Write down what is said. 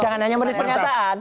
jangan hanya merilis pernyataan